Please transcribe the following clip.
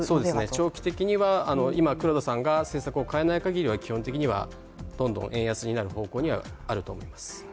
長期的には今黒田さんが政策を変えないかぎりは、基本的にはどんどん円安になる方向にはあると思います。